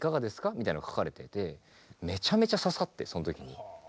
みたいなのが書かれててめちゃめちゃ刺さってその時に。